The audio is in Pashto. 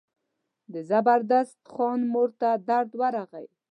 د زبردست خان مور ته درد ورغی.